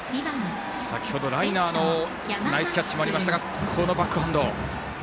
先ほど、ライナーのナイスキャッチもありましたがこのバックハンド。